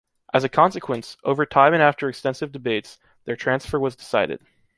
As a consequence, over time and after extensive debates, their transfer was decided.